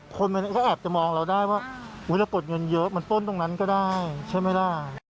คนมันก็แอบจะมองเราได้ว่าเรากดเงินเยอะมันป้นตรงนั้นก็ได้ใช่ไหมล่ะ